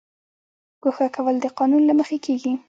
ګوښه کول د قانون له مخې کیږي